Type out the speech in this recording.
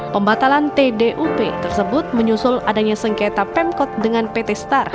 pembatalan tdup tersebut menyusul adanya sengketa pemkot dengan pt star